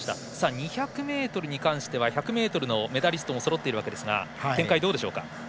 ２００ｍに関しては１００ｍのメダリストもそろっているわけですが展開どうでしょうか？